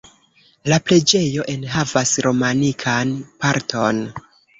La preĝejo enhavas romanikan parton.